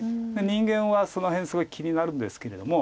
人間はその辺すごい気になるんですけれども。